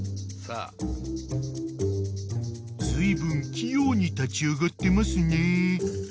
［ずいぶん器用に立ち上がってますね］